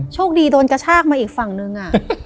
โชคดีโดนกระชากมาอีกฝั่งนึง